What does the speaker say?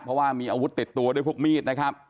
เพราะว่ามีอาวุธติดตัวด้วยพวกมีดนะครับ